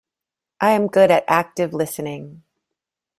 I am good at active listening.